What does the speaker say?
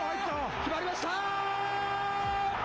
決まりました！